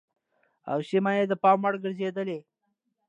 او سيمه يې د پام وړ ګرځېدلې